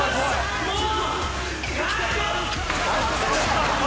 もう！